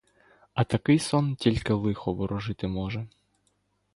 А такий сон тільки лихо ворожити може.